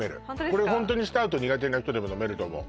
これホントにスタウト苦手な人でも飲めると思う